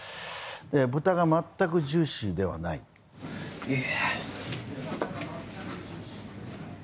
豚が全くジューシーではないええー？